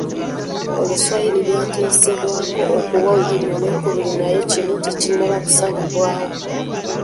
Oluswayiri lwateesebwako okuba olulimi olwokubiri naye kino tekinnaba kusalibwawo.